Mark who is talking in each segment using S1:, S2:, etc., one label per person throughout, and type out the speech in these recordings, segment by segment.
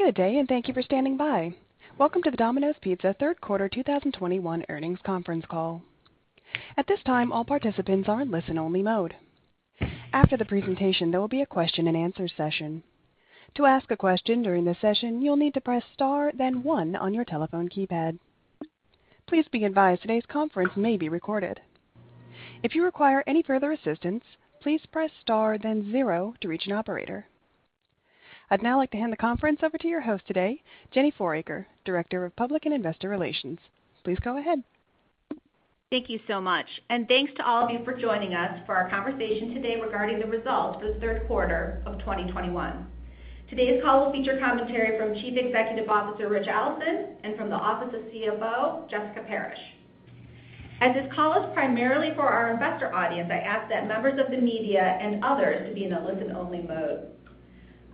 S1: Good day, and thank you for standing by. Welcome to the Domino's Pizza Third Quarter 2021 earnings conference call. At this time, all participants are in listen-only mode. After the presentation, there will be a question-and-answer session. To ask a question during the session, you'll need to press star then one on your telephone keypad. Please be advised today's conference may be recorded. If you require any further assistance, please press star then zero to reach an operator. I'd now like to hand the conference over to your host today, Jenny Fouracre, Director of Public and Investor Relations. Please go ahead.
S2: Thank you so much. Thanks to all of you for joining us for our conversation today regarding the results for the third quarter of 2021. Today's call will feature commentary from Chief Executive Officer, Ritch Allison, and from the Office of CFO, Jessica Parrish. As this call is primarily for our investor audience, I ask that members of the media and others to be in a listen-only mode.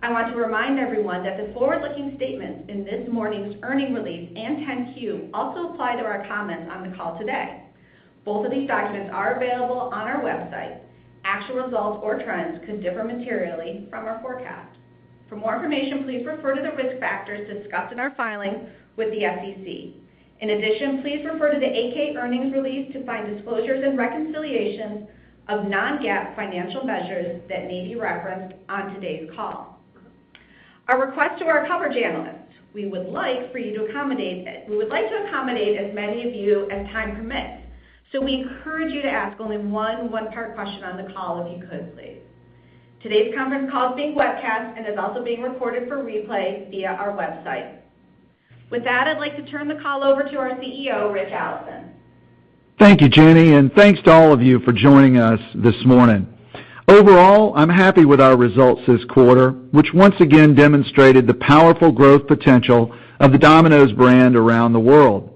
S2: I want to remind everyone that the forward-looking statements in this morning's earnings release and 10-Q also apply to our comments on the call today. Both of these documents are available on our website. Actual results or trends could differ materially from our forecast. For more information, please refer to the risk factors discussed in our filing with the SEC. In addition, please refer to the 8-K earnings release to find disclosures and reconciliations of non-GAAP financial measures that may be referenced on today's call. A request to our coverage analysts. We would like to accommodate as many of you as time permits. We encourage you to ask only one one-part question on the call if you could please. Today's conference call is being webcast and is also being recorded for replay via our website. With that, I'd like to turn the call over to our CEO, Ritch Allison.
S3: Thank you, Jenny, and thanks to all of you for joining us this morning. Overall, I'm happy with our results this quarter, which once again demonstrated the powerful growth potential of the Domino's brand around the world.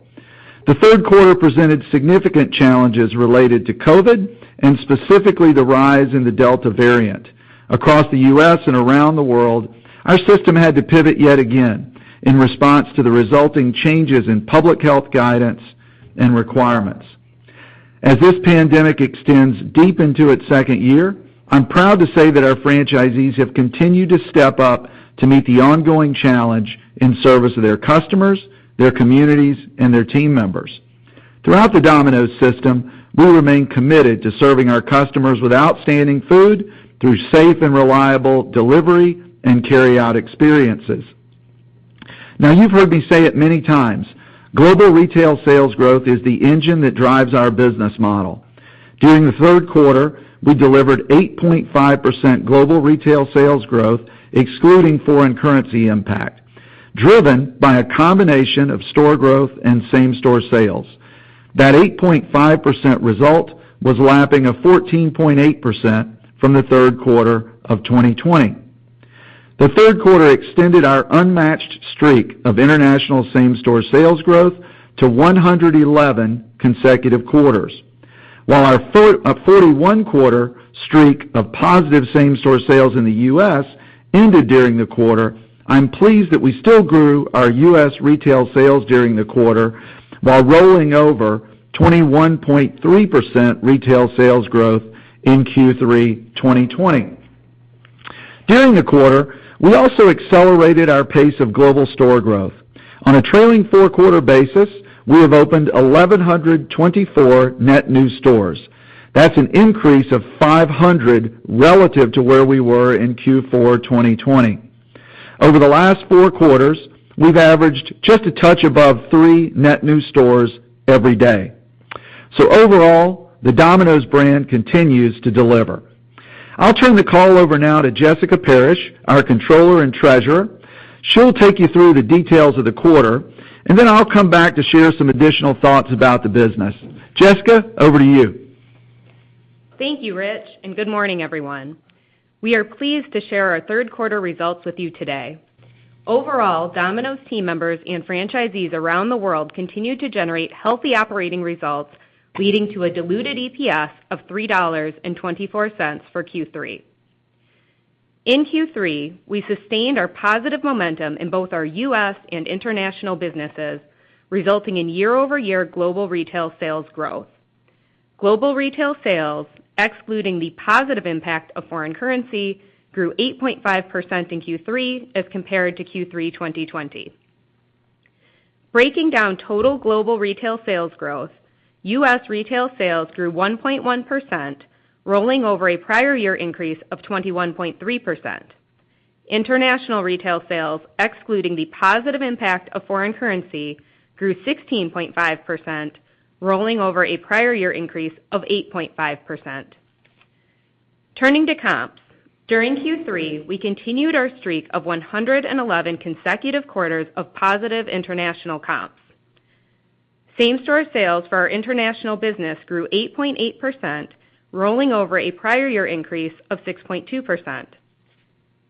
S3: The third quarter presented significant challenges related to COVID, and specifically the rise in the Delta variant. Across the U.S. and around the world, our system had to pivot yet again in response to the resulting changes in public health guidance and requirements. As this pandemic extends deep into its second year, I'm proud to say that our franchisees have continued to step up to meet the ongoing challenge in service of their customers, their communities, and their team members. Throughout the Domino's system, we remain committed to serving our customers with outstanding food through safe and reliable delivery and carry-out experiences. You've heard me say it many times, global retail sales growth is the engine that drives our business model. During the third quarter, we delivered 8.5% global retail sales growth, excluding foreign currency impact, driven by a combination of store growth and same-store sales. 8.5% result was lapping a 14.8% from the third quarter of 2020. Third quarter extended our unmatched streak of international same-store sales growth to 111 consecutive quarters. Our 41-quarter streak of positive same-store sales in the U.S. ended during the quarter, I'm pleased that we still grew our U.S. retail sales during the quarter while rolling over 21.3% retail sales growth in Q3 2020. During the quarter, we also accelerated our pace of global store growth. On a trailing four-quarter basis, we have opened 1,124 net new stores. An increase of 500 relative to where we were in Q4 2020. Over the last four quarters, we've averaged just a touch above three net new stores every day. Overall, the Domino's brand continues to deliver. I'll turn the call over now to Jessica Parrish, our Controller and Treasurer. She'll take you through the details of the quarter, and then I'll come back to share some additional thoughts about the business. Jessica, over to you.
S4: Thank you, Ritch, good morning, everyone. We are pleased to share our third quarter results with you today. Overall, Domino's team members and franchisees around the world continued to generate healthy operating results, leading to a diluted EPS of $3.24 for Q3. In Q3, we sustained our positive momentum in both our U.S. and international businesses, resulting in year-over-year global retail sales growth. Global retail sales, excluding the positive impact of foreign currency, grew 8.5% in Q3 as compared to Q3 2020. Breaking down total global retail sales growth, U.S. retail sales grew 1.1%, rolling over a prior year increase of 21.3%. International retail sales, excluding the positive impact of foreign currency, grew 16.5%, rolling over a prior year increase of 8.5%. Turning to comps. During Q3, we continued our streak of 111 consecutive quarters of positive international comps. Same-store sales for our international business grew 8.8%, rolling over a prior year increase of 6.2%.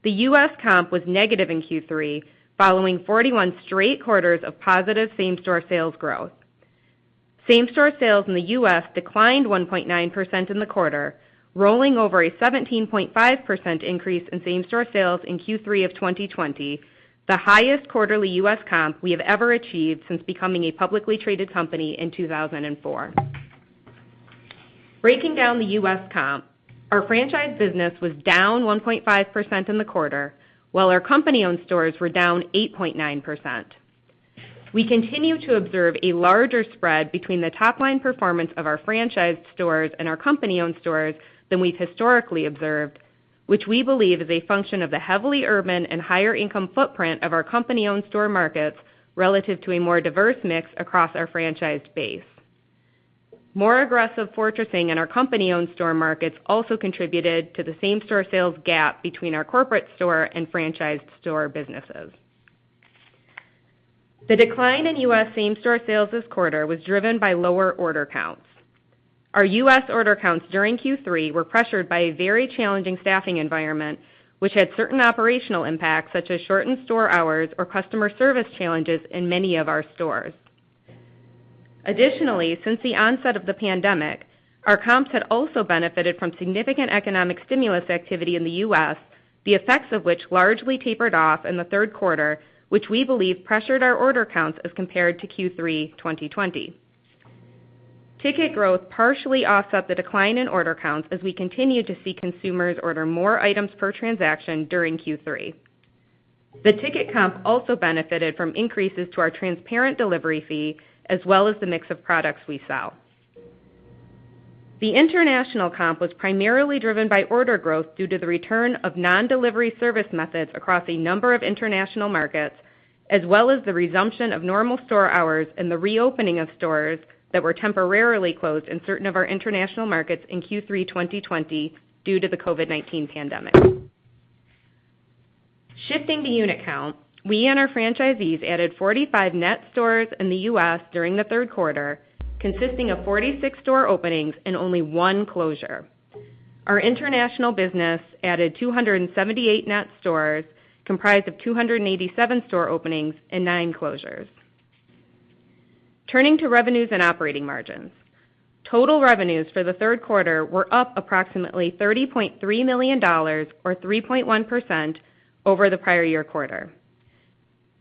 S4: The U.S. comp was negative in Q3, following 41 straight quarters of positive same-store sales growth. Same-store sales in the U.S. declined 1.9% in the quarter, rolling over a 17.5% increase in same-store sales in Q3 of 2020, the highest quarterly U.S. comp we have ever achieved since becoming a publicly traded company in 2004. Breaking down the U.S. comp, our franchise business was down 1.5% in the quarter, while our company-owned stores were down 8.9%. We continue to observe a larger spread between the top-line performance of our franchise stores and our company-owned stores than we've historically observed, which we believe is a function of the heavily urban and higher income footprint of our company-owned store markets relative to a more diverse mix across our franchise base. More aggressive fortressing in our company-owned store markets also contributed to the same-store sales gap between our corporate store and franchised store businesses. The decline in U.S. same-store sales this quarter was driven by lower order counts. Our U.S. order counts during Q3 were pressured by a very challenging staffing environment, which had certain operational impacts, such as shortened store hours or customer service challenges in many of our stores. Additionally, since the onset of the pandemic, our comps had also benefited from significant economic stimulus activity in the U.S., the effects of which largely tapered off in the third quarter, which we believe pressured our order counts as compared to Q3 2020. Ticket growth partially offset the decline in order counts as we continued to see consumers order more items per transaction during Q3. The ticket comp also benefited from increases to our transparent delivery fee, as well as the mix of products we sell. The international comp was primarily driven by order growth due to the return of non-delivery service methods across a number of international markets, as well as the resumption of normal store hours and the reopening of stores that were temporarily closed in certain of our international markets in Q3 2020 due to the COVID-19 pandemic. Shifting to unit count, we and our franchisees added 45 net stores in the U.S. during the third quarter, consisting of 46 store openings and only one closure. Our international business added 278 net stores, comprised of 287 store openings and nine closures. Turning to revenues and operating margins. Total revenues for the third quarter were up approximately $30.3 million, or 3.1% over the prior year quarter.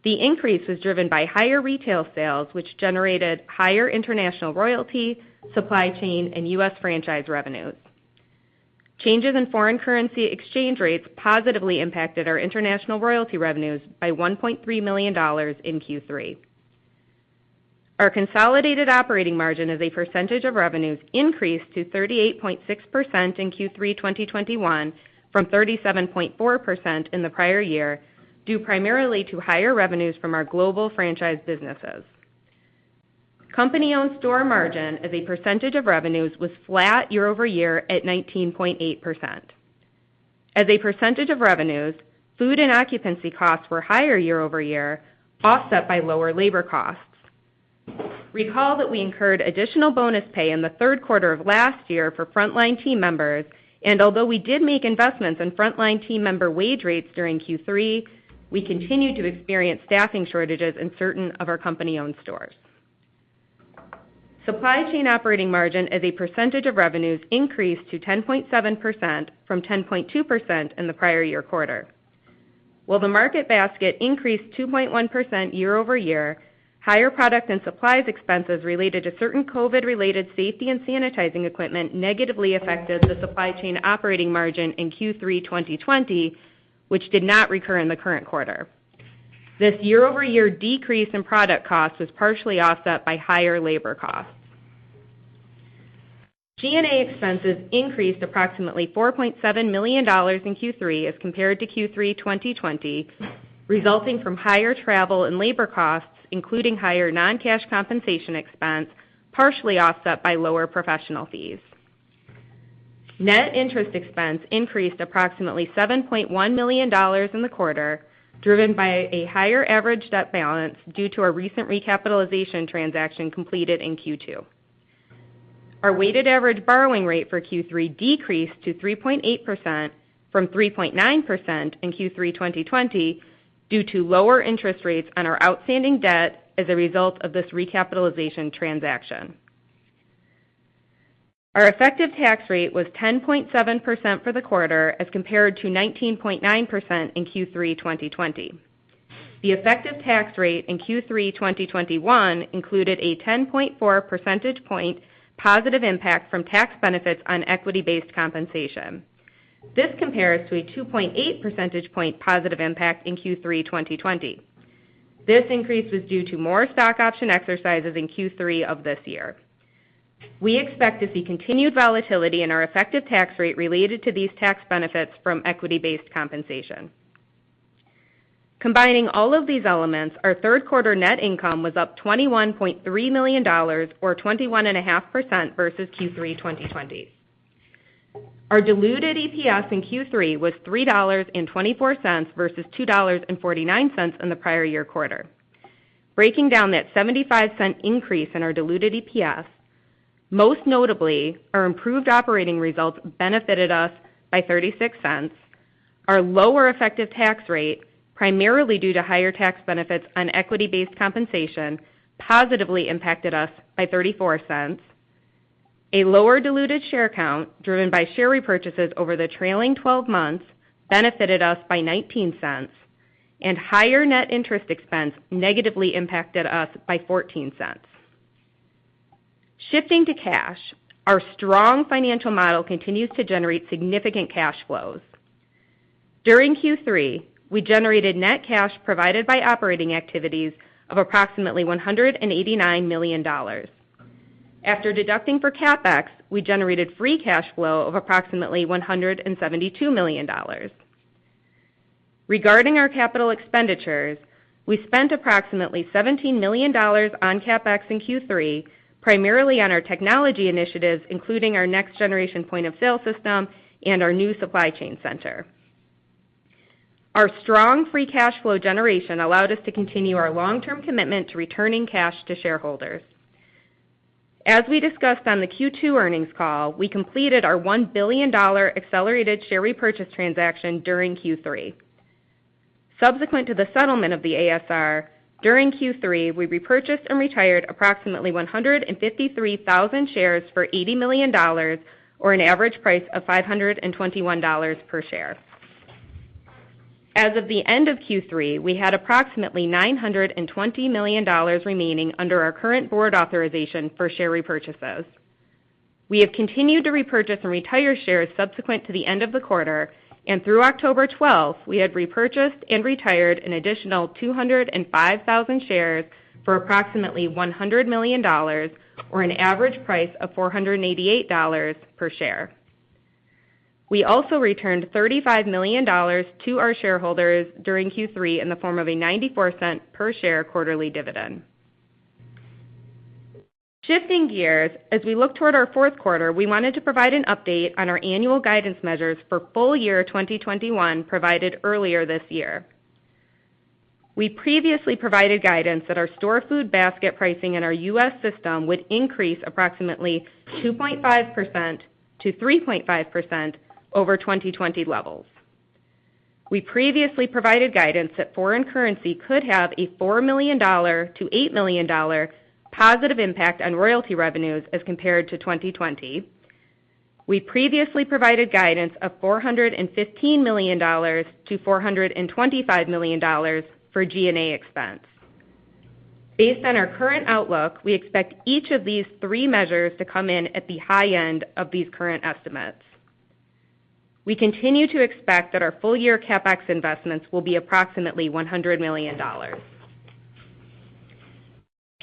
S4: The increase was driven by higher retail sales, which generated higher international royalty, supply chain, and U.S. franchise revenues. Changes in foreign currency exchange rates positively impacted our international royalty revenues by $1.3 million in Q3. Our consolidated operating margin as a percentage of revenues increased to 38.6% in Q3 2021 from 37.4% in the prior year, due primarily to higher revenues from our global franchise businesses. Company-owned store margin as a percentage of revenues was flat year-over-year at 19.8%. As a percentage of revenues, food and occupancy costs were higher year-over-year, offset by lower labor costs. Recall that we incurred additional bonus pay in the third quarter of last year for frontline team members, and although we did make investments in frontline team member wage rates during Q3, we continued to experience staffing shortages in certain of our company-owned stores. Supply chain operating margin as a percentage of revenues increased to 10.7% from 10.2% in the prior year quarter. While the market basket increased 2.1% year-over-year, higher product and supplies expenses related to certain COVID-related safety and sanitizing equipment negatively affected the supply chain operating margin in Q3 2020, which did not recur in the current quarter. This year-over-year decrease in product cost was partially offset by higher labor costs. G&A expenses increased approximately $4.7 million in Q3 as compared to Q3 2020, resulting from higher travel and labor costs, including higher non-cash compensation expense, partially offset by lower professional fees. Net interest expense increased approximately $7.1 million in the quarter, driven by a higher average debt balance due to a recent recapitalization transaction completed in Q2. Our weighted average borrowing rate for Q3 decreased to 3.8% from 3.9% in Q3 2020 due to lower interest rates on our outstanding debt as a result of this recapitalization transaction. Our effective tax rate was 10.7% for the quarter as compared to 19.9% in Q3 2020. The effective tax rate in Q3 2021 included a 10.4 percentage point positive impact from tax benefits on equity-based compensation. This compares to a 2.8 percentage point positive impact in Q3 2020. This increase was due to more stock option exercises in Q3 of this year. We expect to see continued volatility in our effective tax rate related to these tax benefits from equity-based compensation. Combining all of these elements, our third quarter net income was up $21.3 million, or 21.5% versus Q3 2020. Our diluted EPS in Q3 was $3.24 versus $2.49 in the prior year quarter. Breaking down that $0.75 increase in our diluted EPS, most notably, our improved operating results benefited us by $0.36. Our lower effective tax rate, primarily due to higher tax benefits on equity-based compensation, positively impacted us by $0.34. A lower diluted share count driven by share repurchases over the trailing 12 months benefited us by $0.19. Higher net interest expense negatively impacted us by $0.14. Shifting to cash, our strong financial model continues to generate significant cash flows. During Q3, we generated net cash provided by operating activities of approximately $189 million. After deducting for CapEx, we generated free cash flow of approximately $172 million. Regarding our capital expenditures, we spent approximately $17 million on CapEx in Q3, primarily on our technology initiatives, including our next generation point-of-sale system and our new supply chain center. Our strong free cash flow generation allowed us to continue our long-term commitment to returning cash to shareholders. As we discussed on the Q2 earnings call, we completed our $1 billion accelerated share repurchase transaction during Q3. Subsequent to the settlement of the ASR, during Q3, we repurchased and retired approximately 153,000 shares for $80 million, or an average price of $521 per share. As of the end of Q3, we had approximately $920 million remaining under our current board authorization for share repurchases. We have continued to repurchase and retire shares subsequent to the end of the quarter, and through October 12th, we had repurchased and retired an additional 205,000 shares for approximately $100 million or an average price of $488 per share. We also returned $35 million to our shareholders during Q3 in the form of a $0.94 per share quarterly dividend. Shifting gears, as we look toward our fourth quarter, we wanted to provide an update on our annual guidance measures for full year 2021 provided earlier this year. We previously provided guidance that our store food basket pricing in our U.S. system would increase approximately 2.5%-3.5% over 2020 levels. We previously provided guidance that foreign currency could have a $4 million-$8 million positive impact on royalty revenues as compared to 2020. We previously provided guidance of $415 million-$425 million for G&A expense. Based on our current outlook, we expect each of these three measures to come in at the high end of these current estimates. We continue to expect that our full year CapEx investments will be approximately $100 million.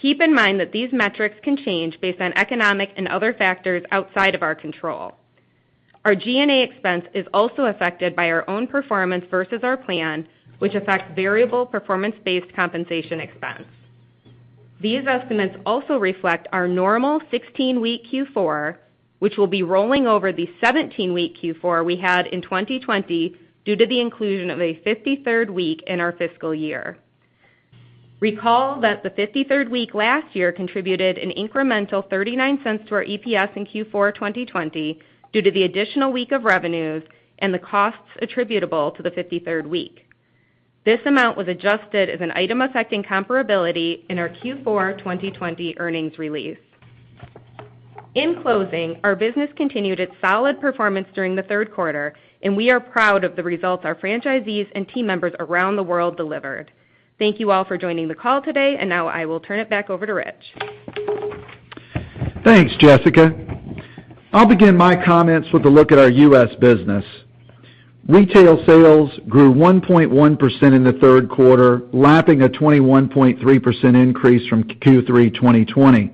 S4: Keep in mind that these metrics can change based on economic and other factors outside of our control. Our G&A expense is also affected by our own performance versus our plan, which affects variable performance-based compensation expense. These estimates also reflect our normal 16-week Q4, which will be rolling over the 17-week Q4 we had in 2020 due to the inclusion of a 53rd week in our fiscal year. Recall that the 53rd week last year contributed an incremental $0.39 to our EPS in Q4 2020 due to the additional week of revenues and the costs attributable to the 53rd week. This amount was adjusted as an item affecting comparability in our Q4 2020 earnings release. In closing, our business continued its solid performance during the third quarter, and we are proud of the results our franchisees and team members around the world delivered. Thank you all for joining the call today. Now I will turn it back over to Ritch.
S3: Thanks, Jessica. I'll begin my comments with a look at our U.S. business. Retail sales grew 1.1% in the third quarter, lapping a 21.3% increase from Q3 2020.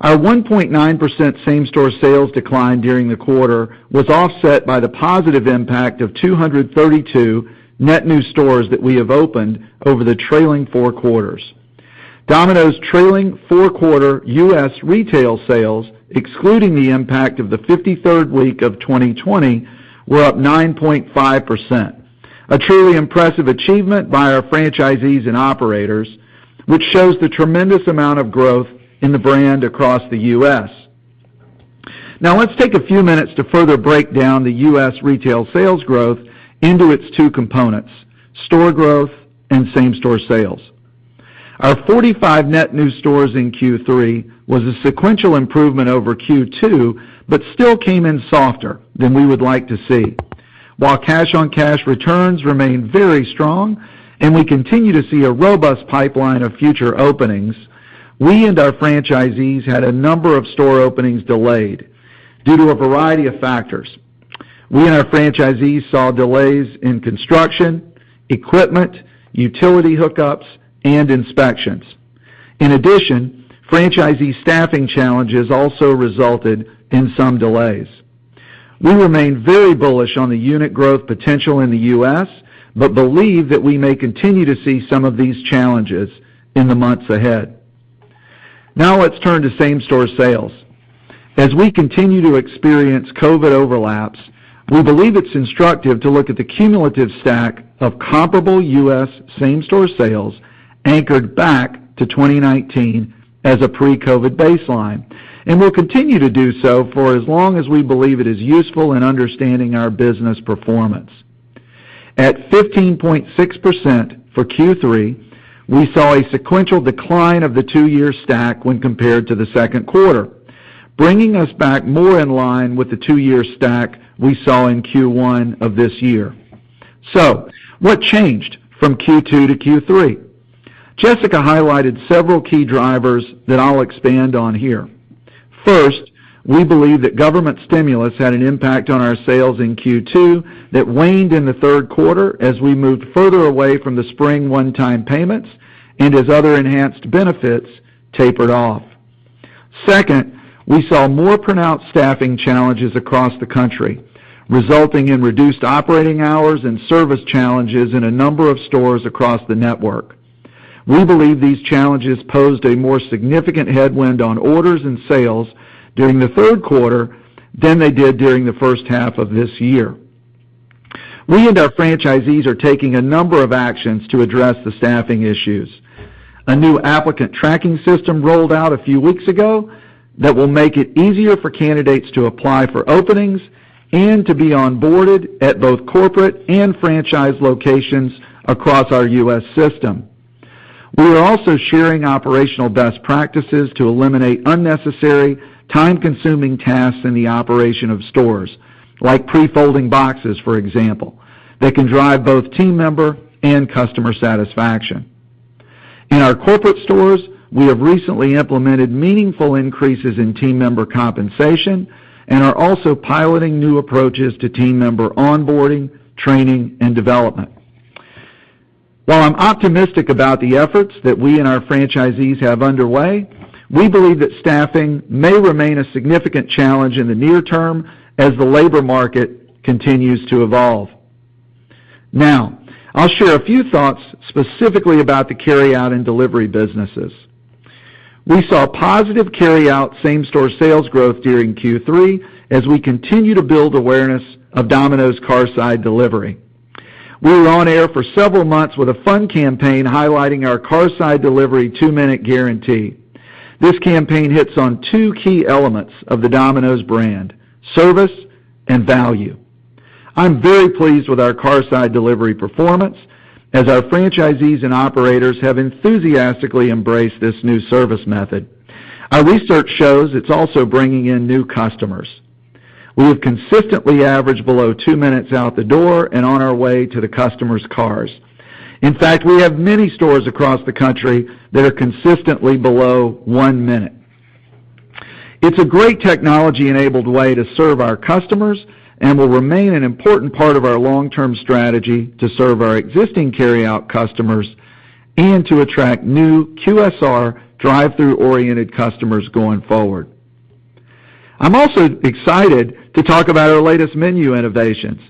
S3: Our 1.9% same-store sales decline during the quarter was offset by the positive impact of 232 net new stores that we have opened over the trailing four quarters. Domino's trailing four-quarter U.S. retail sales, excluding the impact of the 53rd week of 2020, were up 9.5%, a truly impressive achievement by our franchisees and operators, which shows the tremendous amount of growth in the brand across the U.S. Now let's take a few minutes to further break down the U.S. retail sales growth into its two components, store growth and same-store sales. Our 45 net new stores in Q3 was a sequential improvement over Q2, but still came in softer than we would like to see. While cash-on-cash returns remain very strong and we continue to see a robust pipeline of future openings, we and our franchisees had a number of store openings delayed due to a variety of factors. We and our franchisees saw delays in construction, equipment, utility hookups, and inspections. In addition, franchisee staffing challenges also resulted in some delays. We remain very bullish on the unit growth potential in the U.S., but believe that we may continue to see some of these challenges in the months ahead. Now let's turn to same-store sales. As we continue to experience COVID overlaps, we believe it's instructive to look at the cumulative stack of comparable U.S. same-store sales anchored back to 2019 as a pre-COVID baseline. We'll continue to do so for as long as we believe it is useful in understanding our business performance. At 15.6% for Q3, we saw a sequential decline of the two-year stack when compared to the second quarter. Bringing us back more in line with the two-year stack we saw in Q1 of this year. What changed from Q2 to Q3? Jessica highlighted several key drivers that I'll expand on here. First, we believe that government stimulus had an impact on our sales in Q2 that waned in the third quarter as we moved further away from the spring one-time payments and as other enhanced benefits tapered off. Second, we saw more pronounced staffing challenges across the country, resulting in reduced operating hours and service challenges in a number of stores across the network. We believe these challenges posed a more significant headwind on orders and sales during the third quarter than they did during the first half of this year. We and our franchisees are taking a number of actions to address the staffing issues. A new applicant tracking system rolled out a few weeks ago that will make it easier for candidates to apply for openings and to be onboarded at both corporate and franchise locations across our U.S. system. We are also sharing operational best practices to eliminate unnecessary, time-consuming tasks in the operation of stores, like pre-folding boxes, for example, that can drive both team member and customer satisfaction. In our corporate stores, we have recently implemented meaningful increases in team member compensation and are also piloting new approaches to team member onboarding, training, and development. While I'm optimistic about the efforts that we and our franchisees have underway, we believe that staffing may remain a significant challenge in the near term as the labor market continues to evolve. Now I'll share a few thoughts specifically about the carryout and delivery businesses. We saw positive carryout same-store sales growth during Q3 as we continue to build awareness of Domino's Carside Delivery. We were on air for several months with a fun campaign highlighting our Carside Delivery two-minute guarantee. This campaign hits on two key elements of the Domino's brand, service and value. I'm very pleased with our Carside Delivery performance, as our franchisees and operators have enthusiastically embraced this new service method. Our research shows it's also bringing in new customers. We have consistently averaged below two minutes out the door and on our way to the customer's cars. In fact, we have many stores across the country that are consistently below one minute. It's a great technology-enabled way to serve our customers and will remain an important part of our long-term strategy to serve our existing carryout customers and to attract new QSR drive-thru-oriented customers going forward. I'm also excited to talk about our latest menu innovations.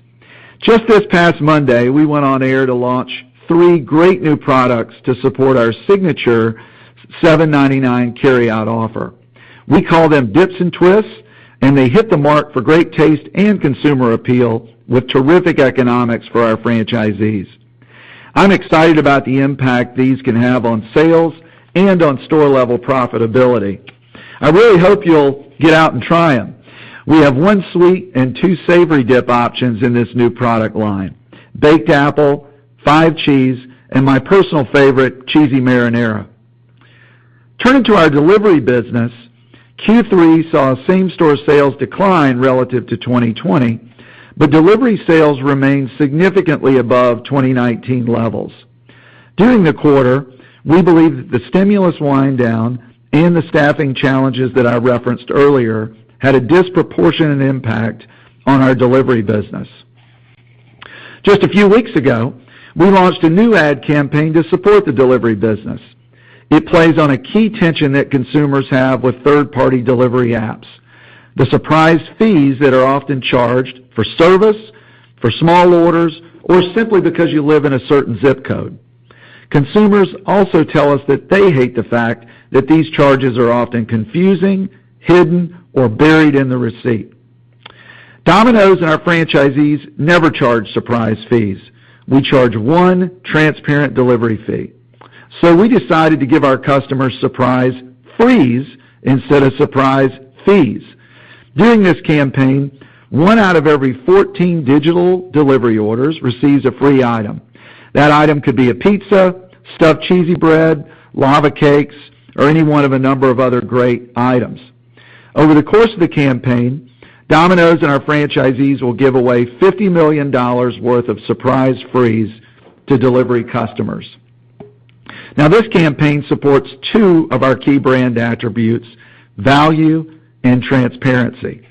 S3: Just this past Monday, we went on air to launch three great new products to support our signature $7.99 carryout offer. We call them Dips & Twists, and they hit the mark for great taste and consumer appeal with terrific economics for our franchisees. I'm excited about the impact these can have on sales and on store-level profitability. I really hope you'll get out and try them. We have one sweet and two savory dip options in this new product line, Baked Apple, Five-Cheese, and my personal favorite, Cheesy Marinara. Turning to our delivery business, Q3 saw same-store sales decline relative to 2020, but delivery sales remained significantly above 2019 levels. During the quarter, we believe that the stimulus wind down and the staffing challenges that I referenced earlier had a disproportionate impact on our delivery business. Just a few weeks ago, we launched a new ad campaign to support the delivery business. It plays on a key tension that consumers have with third-party delivery apps, the surprise fees that are often charged for service, for small orders, or simply because you live in a certain zip code. Consumers also tell us that they hate the fact that these charges are often confusing, hidden, or buried in the receipt. Domino's and our franchisees never charge surprise fees. We charge one transparent delivery fee. We decided to give our customers Surprise Frees instead of surprise fees. During this campaign, one out of every 14 digital delivery orders receives a free item. That item could be a pizza, Stuffed Cheesy Bread, Lava Cakes, or any one of a number of other great items. Over the course of the campaign, Domino's and our franchisees will give away $50 million worth of Surprise Frees to delivery customers. This campaign supports two of our key brand attributes, value and transparency.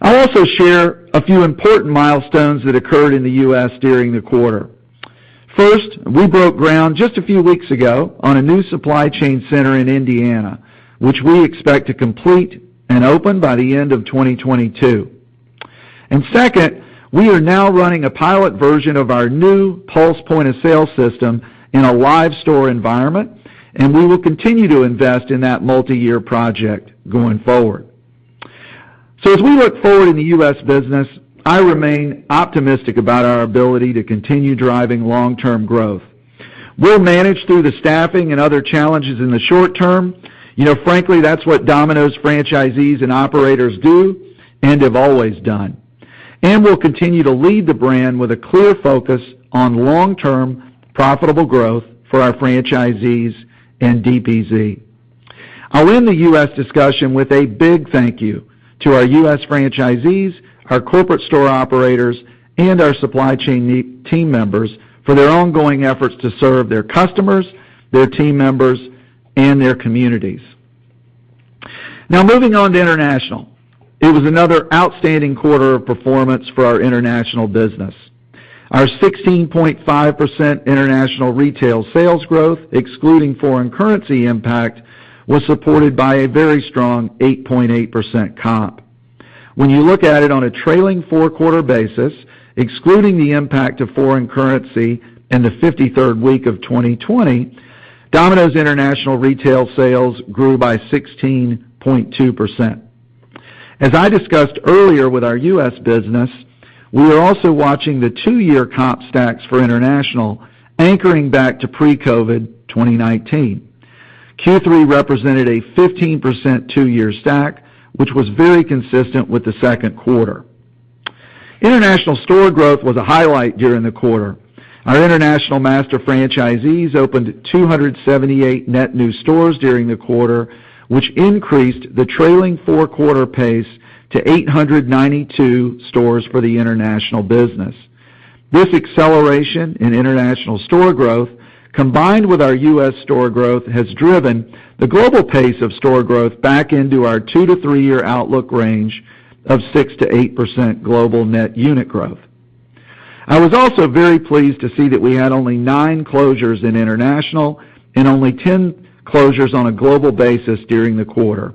S3: I'll also share a few important milestones that occurred in the U.S. during the quarter. First, we broke ground just a few weeks ago on a new supply chain center in Indiana, which we expect to complete and open by the end of 2022. Second, we are now running a pilot version of our new Pulse point-of-sale system in a live store environment, and we will continue to invest in that multi-year project going forward. As we look forward in the U.S. business, I remain optimistic about our ability to continue driving long-term growth. We'll manage through the staffing and other challenges in the short term. Frankly, that's what Domino's franchisees and operators do and have always done. We'll continue to lead the brand with a clear focus on long-term profitable growth for our franchisees and DPZ. I'll end the U.S. discussion with a big thank you to our U.S. franchisees, our corporate store operators, and our supply chain team members for their ongoing efforts to serve their customers, their team members, and their communities. Moving on to international. It was another outstanding quarter of performance for our international business. Our 16.5% international retail sales growth, excluding foreign currency impact, was supported by a very strong 8.8% comp. When you look at it on a trailing four-quarter basis, excluding the impact of foreign currency and the 53rd week of 2020, Domino's International retail sales grew by 16.2%. As I discussed earlier with our U.S. business, we are also watching the two-year comp stacks for International anchoring back to pre-COVID 2019. Q3 represented a 15% two-year stack, which was very consistent with the second quarter. International store growth was a highlight during the quarter. Our International master franchisees opened 278 net new stores during the quarter, which increased the trailing four-quarter pace to 892 stores for the International business. This acceleration in International store growth, combined with our U.S. store growth, has driven the global pace of store growth back into our two to three-year outlook range of 6%-8% global net unit growth. I was also very pleased to see that we had only nine closures in international and only 10 closures on a global basis during the quarter.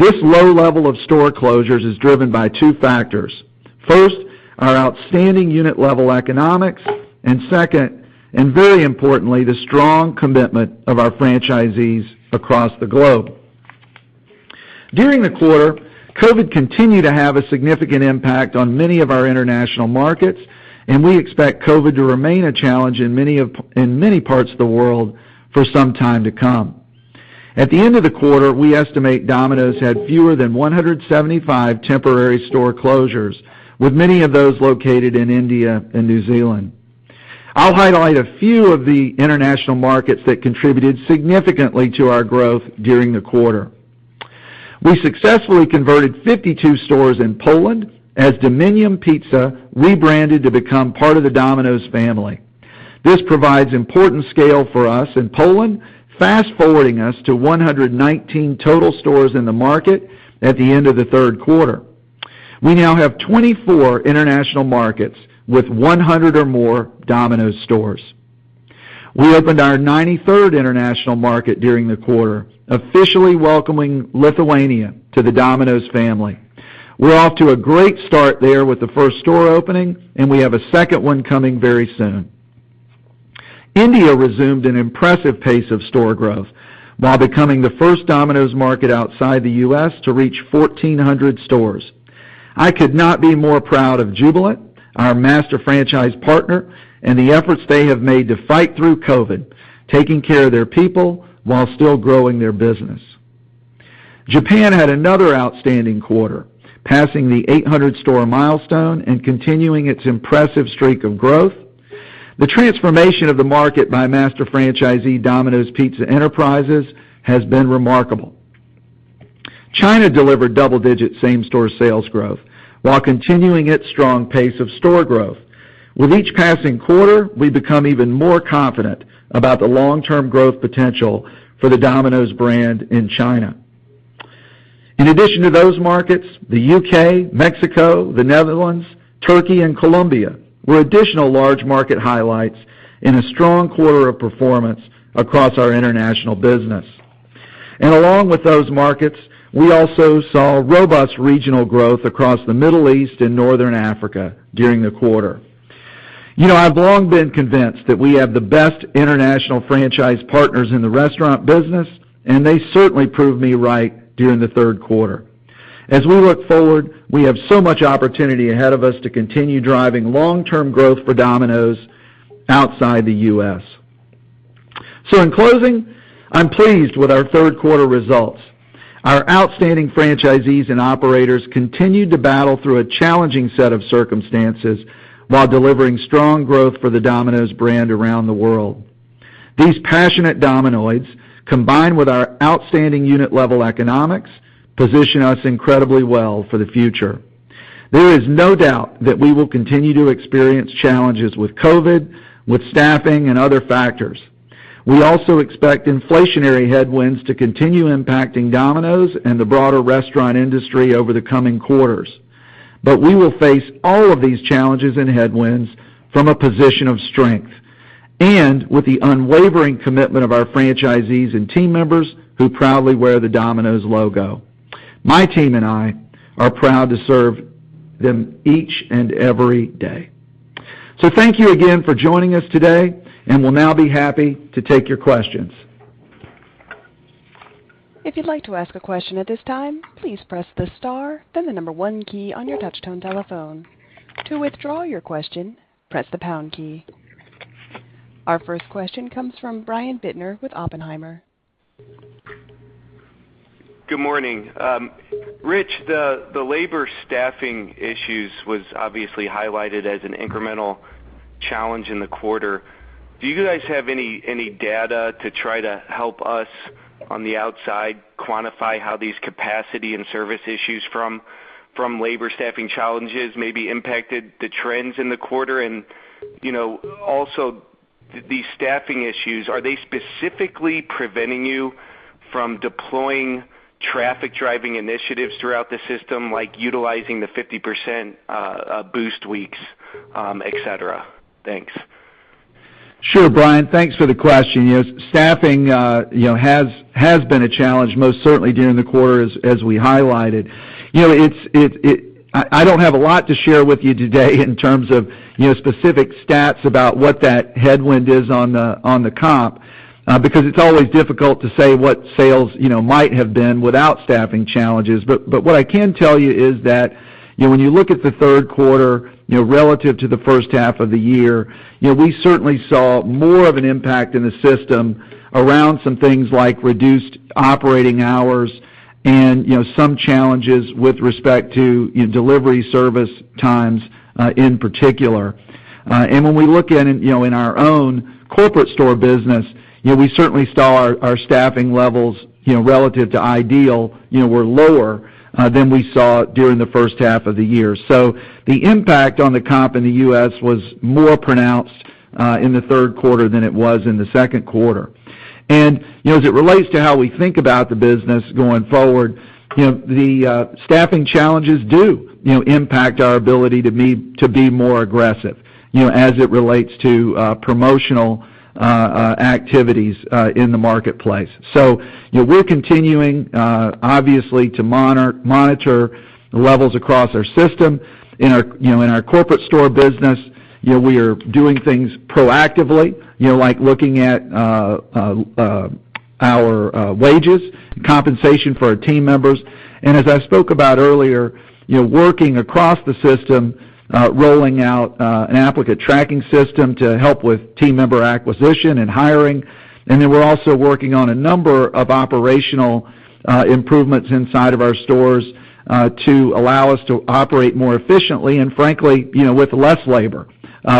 S3: This low level of store closures is driven by two factors. First, our outstanding unit level economics, and second, and very importantly, the strong commitment of our franchisees across the globe. During the quarter, COVID continued to have a significant impact on many of our international markets, and we expect COVID to remain a challenge in many parts of the world for some time to come. At the end of the quarter, we estimate Domino's had fewer than 175 temporary store closures, with many of those located in India and New Zealand. I'll highlight a few of the international markets that contributed significantly to our growth during the quarter. We successfully converted 52 stores in Poland as Dominium Pizza rebranded to become part of the Domino's family. This provides important scale for us in Poland, fast-forwarding us to 119 total stores in the market at the end of the third quarter. We now have 24 international markets with 100 or more Domino's stores. We opened our 93rd international market during the quarter, officially welcoming Lithuania to the Domino's family. We're off to a great start there with the first store opening, and we have a second one coming very soon. India resumed an impressive pace of store growth while becoming the first Domino's market outside the U.S. to reach 1,400 stores. I could not be more proud of Jubilant, our master franchise partner, and the efforts they have made to fight through COVID, taking care of their people while still growing their business. Japan had another outstanding quarter, passing the 800-store milestone and continuing its impressive streak of growth. The transformation of the market by master franchisee Domino's Pizza Enterprises has been remarkable. China delivered double-digit same-store sales growth while continuing its strong pace of store growth. With each passing quarter, we become even more confident about the long-term growth potential for the Domino's brand in China. In addition to those markets, the U.K., Mexico, the Netherlands, Turkey, and Colombia were additional large market highlights in a strong quarter of performance across our international business. Along with those markets, we also saw robust regional growth across the Middle East and Northern Africa during the quarter. I've long been convinced that we have the best international franchise partners in the restaurant business, and they certainly proved me right during the third quarter. As we look forward, we have so much opportunity ahead of us to continue driving long-term growth for Domino's outside the U.S. In closing, I'm pleased with our third quarter results. Our outstanding franchisees and operators continued to battle through a challenging set of circumstances while delivering strong growth for the Domino's brand around the world. These passionate Dominoids, combined with our outstanding unit-level economics, position us incredibly well for the future. There is no doubt that we will continue to experience challenges with COVID, with staffing, and other factors. We also expect inflationary headwinds to continue impacting Domino's and the broader restaurant industry over the coming quarters. We will face all of these challenges and headwinds from a position of strength and with the unwavering commitment of our franchisees and team members who proudly wear the Domino's logo. My team and I are proud to serve them each and every day. Thank you again for joining us today, and we'll now be happy to take your questions.
S1: If you'd like to ask a question at this time, please press the star and the number one key on your touchtone telephone. To withdraw your question, press the pound key. Our first question comes from Brian Bittner with Oppenheimer.
S5: Good morning. Ritch, the labor staffing issues was obviously highlighted as an incremental challenge in the quarter. Do you guys have any data to try to help us on the outside quantify how these capacity and service issues from labor staffing challenges may be impacted the trends in the quarter? Also, these staffing issues, are they specifically preventing you from deploying traffic-driving initiatives throughout the system, like utilizing the 50% boost weeks, et cetera? Thanks.
S3: Sure, Brian, thanks for the question. Staffing has been a challenge most certainly during the quarter as we highlighted. I don't have a lot to share with you today in terms of specific stats about what that headwind is on the comp, because it's always difficult to say what sales might have been without staffing challenges. What I can tell you is that when you look at the third quarter, relative to the first half of the year, we certainly saw more of an impact in the system around some things like reduced operating hours and some challenges with respect to delivery service times in particular. When we look in our own corporate store business, we certainly saw our staffing levels, relative to ideal, were lower than we saw during the first half of the year. The impact on the comp in the U.S. was more pronounced in the third quarter than it was in the second quarter. As it relates to how we think about the business going forward, the staffing challenges do impact our ability to be more aggressive as it relates to promotional activities in the marketplace. We're continuing, obviously, to monitor the levels across our system. In our corporate store business, we are doing things proactively, like looking at our wages, compensation for our team members, and as I spoke about earlier, working across the system, rolling out an applicant tracking system to help with team member acquisition and hiring. Then we're also working on a number of operational improvements inside of our stores to allow us to operate more efficiently and frankly, with less labor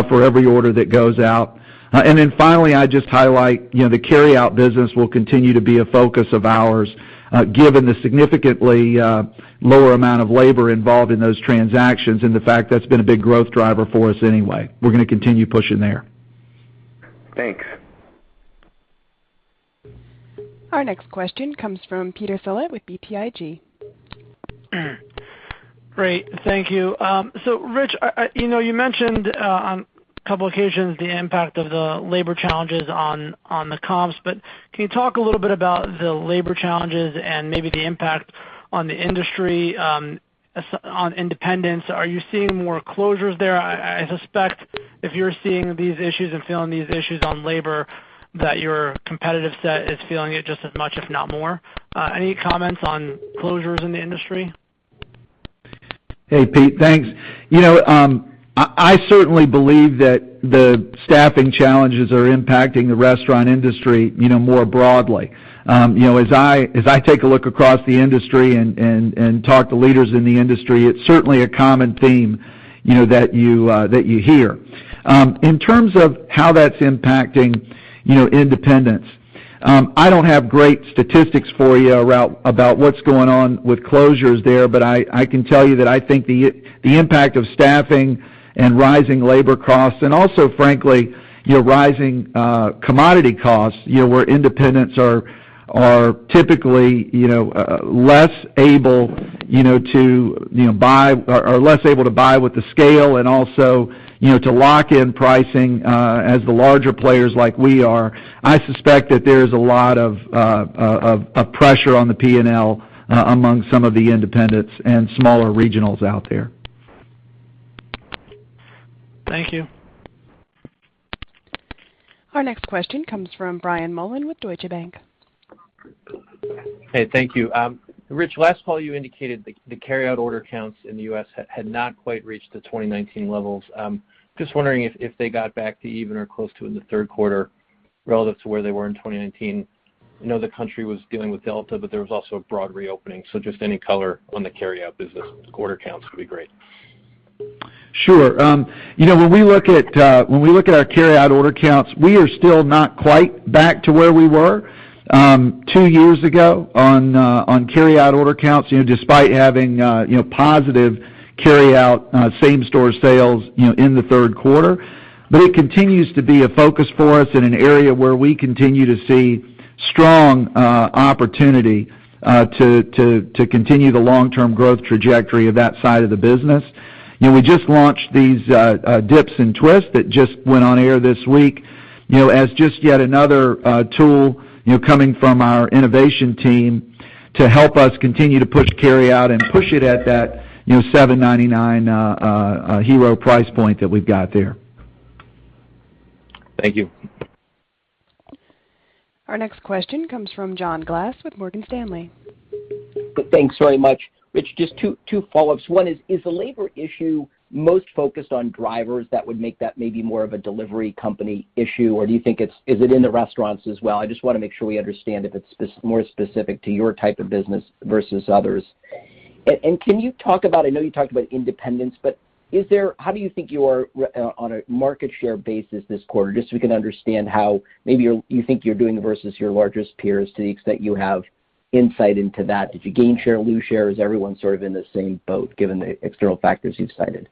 S3: for every order that goes out. Finally, I'd just highlight the carryout business will continue to be a focus of ours given the significantly lower amount of labor involved in those transactions and the fact that's been a big growth driver for us anyway. We're going to continue pushing there.
S5: Thanks.
S1: Our next question comes from Peter Saleh with BTIG.
S6: Great. Thank you. Ritch, you mentioned on a couple occasions the impact of the labor challenges on the comps, can you talk a little bit about the labor challenges and maybe the impact on the industry, on independents? Are you seeing more closures there? I suspect if you're seeing these issues and feeling these issues on labor, that your competitive set is feeling it just as much, if not more. Any comments on closures in the industry?
S3: Hey, Pete. Thanks. I certainly believe that the staffing challenges are impacting the restaurant industry more broadly. As I take a look across the industry and talk to leaders in the industry, it's certainly a common theme that you hear. In terms of how that's impacting independents, I don't have great statistics for you about what's going on with closures there, but I can tell you that I think the impact of staffing and rising labor costs and also frankly, rising commodity costs, where independents are typically less able to buy with the scale and also to lock in pricing as the larger players like we are. I suspect that there's a lot of pressure on the P&L among some of the independents and smaller regionals out there.
S6: Thank you.
S1: Our next question comes from Brian Mullan with Deutsche Bank.
S7: Hey, thank you. Ritch, last fall you indicated the carryout order counts in the U.S. had not quite reached the 2019 levels. Just wondering if they got back to even or close to in the third quarter relative to where they were in 2019. I know the country was dealing with Delta, but there was also a broad reopening. Just any color on the carryout business quarter counts would be great.
S3: Sure. When we look at our carryout order counts, we are still not quite back to where we were two years ago on carryout order counts, despite having positive carryout same-store sales in the third quarter. It continues to be a focus for us and an area where we continue to see strong opportunity to continue the long-term growth trajectory of that side of the business. We just launched these Dips & Twists that just went on air this week as just yet another tool coming from our innovation team to help us continue to push carryout and push it at that $7.99 hero price point that we've got there.
S7: Thank you.
S1: Our next question comes from John Glass with Morgan Stanley.
S8: Thanks very much. Ritch, just two follow-ups. One is the labor issue most focused on drivers that would make that maybe more of a delivery company issue, or do you think it's in the restaurants as well? I just want to make sure we understand if it's more specific to your type of business versus others. Can you talk about, I know you talked about independence, but how do you think you are on a market share basis this quarter, just so we can understand how maybe you think you're doing versus your largest peers to the extent you have insight into that. Did you gain share, lose share? Is everyone sort of in the same boat given the external factors you've cited?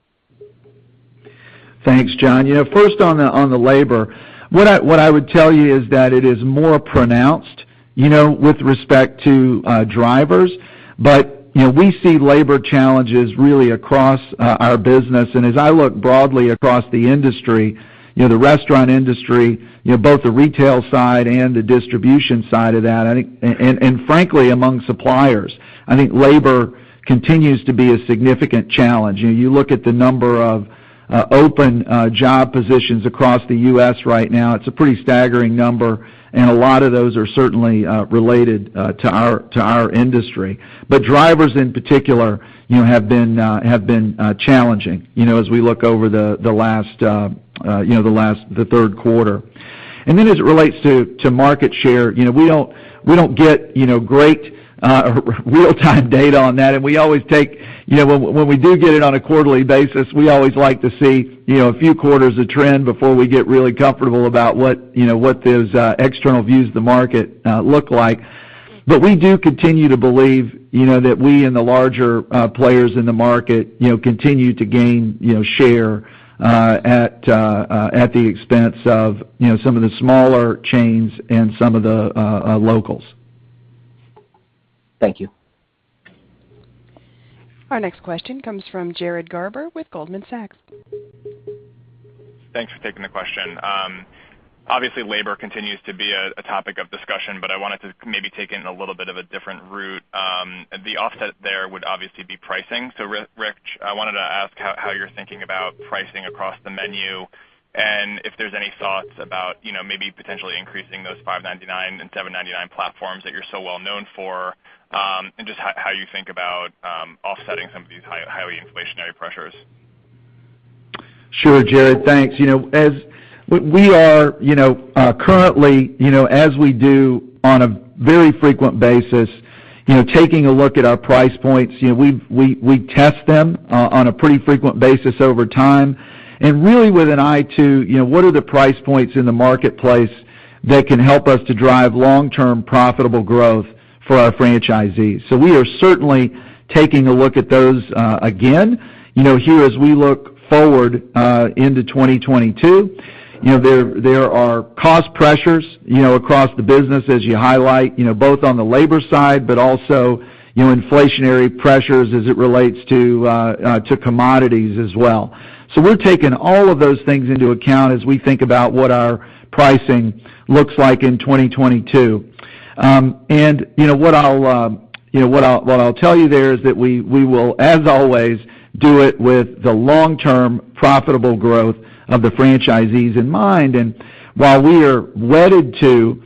S3: Thanks, John. First on the labor. What I would tell you is that it is more pronounced with respect to drivers, but we see labor challenges really across our business. As I look broadly across the industry, the restaurant industry, both the retail side and the distribution side of that, and frankly, among suppliers, I think labor continues to be a significant challenge. You look at the number of open job positions across the U.S. right now, it's a pretty staggering number. A lot of those are certainly related to our industry. Drivers in particular have been challenging as we look over the third quarter. As it relates to market share, we don't get great real time data on that, and when we do get it on a quarterly basis, we always like to see a few quarters of trend before we get really comfortable about what those external views of the market look like. We do continue to believe that we and the larger players in the market continue to gain share at the expense of some of the smaller chains and some of the locals.
S8: Thank you.
S1: Our next question comes from Jared Garber with Goldman Sachs.
S9: Thanks for taking the question. Obviously, labor continues to be a topic of discussion. I wanted to maybe take it in a little bit of a different route. The offset there would obviously be pricing. Ritch, I wanted to ask how you're thinking about pricing across the menu, and if there's any thoughts about maybe potentially increasing those $5.99 and $7.99 platforms that you're so well known for, and just how you think about offsetting some of these highly inflationary pressures.
S3: Sure, Jared, thanks. We are currently, as we do on a very frequent basis, taking a look at our price points. We test them on a pretty frequent basis over time, really with an eye to what are the price points in the marketplace that can help us to drive long-term profitable growth for our franchisees. We are certainly taking a look at those again. Here as we look forward into 2022, there are cost pressures across the business as you highlight, both on the labor side, but also inflationary pressures as it relates to commodities as well. We're taking all of those things into account as we think about what our pricing looks like in 2022. What I'll tell you there is that we will, as always, do it with the long-term profitable growth of the franchisees in mind. While we are wedded to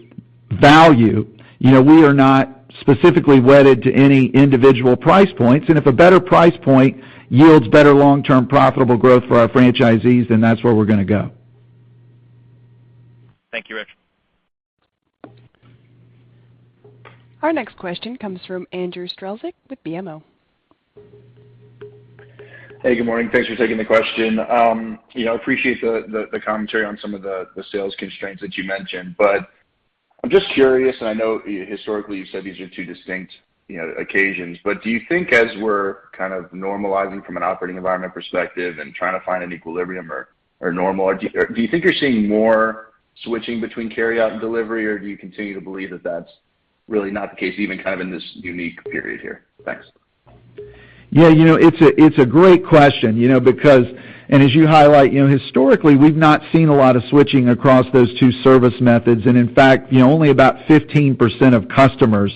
S3: value, we are not specifically wedded to any individual price points, and if a better price point yields better long-term profitable growth for our franchisees, then that's where we're going to go.
S9: Thank you, Ritch.
S1: Our next question comes from Andrew Strelzik with BMO.
S10: Hey, good morning. Thanks for taking the question. I appreciate the commentary on some of the sales constraints that you mentioned, but I'm just curious, and I know historically you've said these are two distinct occasions, but do you think as we're kind of normalizing from an operating environment perspective and trying to find an equilibrium or normal, do you think you're seeing more switching between carryout and delivery, or do you continue to believe that that's really not the case, even kind of in this unique period here? Thanks.
S3: Yeah, it's a great question. As you highlight, historically, we've not seen a lot of switching across those two service methods, and in fact, only about 15% of customers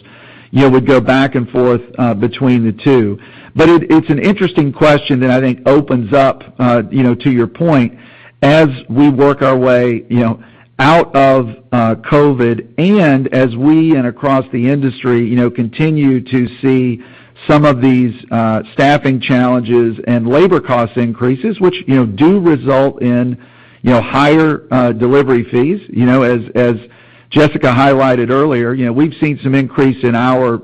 S3: would go back and forth between the two. It's an interesting question that I think opens up to your point as we work our way out of COVID and as we and across the industry continue to see some of these staffing challenges and labor cost increases, which do result in higher delivery fees. As Jessica highlighted earlier, we've seen some increase in our